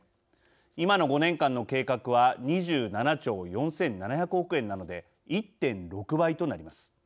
今の５年間の計画は２７兆４７００億円なので１．６倍となります。